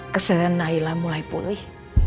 kesalahan nailah mulai pulih